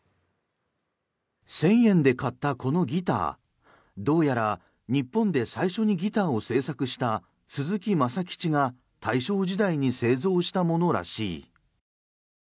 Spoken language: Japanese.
１０００円で買ったこのギターどうやら日本で最初にギターを製作した鈴木政吉が大正時代に製造したものらしい。